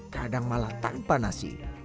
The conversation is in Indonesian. kadang malah tanpa nasi